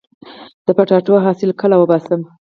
د کچالو حاصل کله وباسم؟